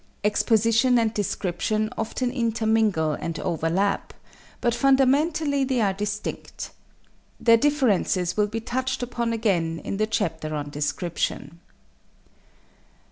Exposition and description often intermingle and overlap, but fundamentally they are distinct. Their differences will be touched upon again in the chapter on "Description."